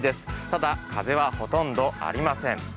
ただ、風はほとんどありません。